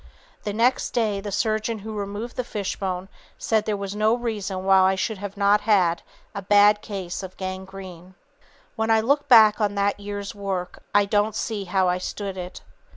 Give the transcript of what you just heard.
The next day the surgeon who removed the fishbone said there was no reason why I should not have had 'a bad case of gangrene.' "When I look back on that year's work I don't see how I stood it.